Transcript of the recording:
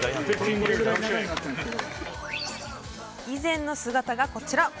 以前の姿がこちら。